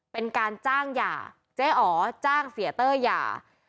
เป็นการจ้างหย่าเจ๊อ๋อจ้างเสียเต้ยหย่า